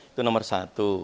itu nomor satu